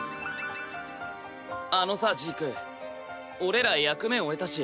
あのさジーク俺ら役目終えたし